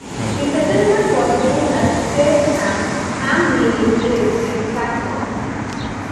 The settlement was known as "Taceham" - "ham" meaning village in Saxon.